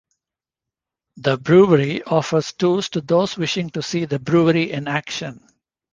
The brewery offers tours to those wishing to see the brewery in action.